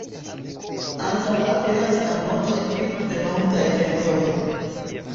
Ankaŭ aperas anoncoj pri venontaj eventoj.